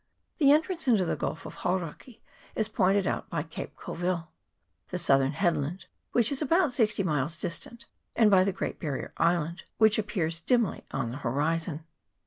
The entrance into the Gulf of Hauraki is pointed out by Cape Colville, the southern headland, which is about sixty miles dis tant, and by the Great Barrier Island, which ap nears dimly on the horizon.